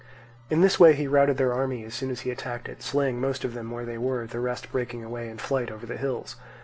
In this way he routed their army as soon as he attacked it, slaying most of them where they were, the rest breaking away in flight over the hills.